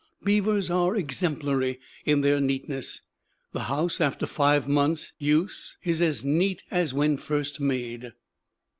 Beavers are exemplary in their neatness; the house after five months' use is as neat as when first made.